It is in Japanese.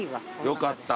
よかった。